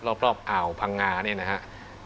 รอบอ่าวพังงาเนี่ยนะครับ